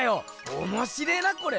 おもしれえなこれ。